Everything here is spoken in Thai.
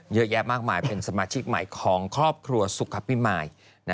เยอะแยะมากมายเป็นสมาชิกใหม่ของครอบครัวสุขภิมาย